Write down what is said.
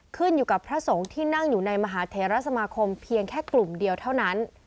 ขึ้นอยู่กับพระสงฆ์ที่นั่งอยู่ในมหาเทรสมาคมเพียงแค่กลุ่มเดียวเท่านั้น